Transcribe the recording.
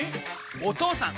お義父さん！